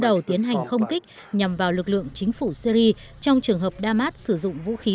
đầu tiến hành không kích nhằm vào lực lượng chính phủ syri trong trường hợp damas sử dụng vũ khí